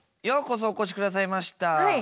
ようこそお越しくださいました。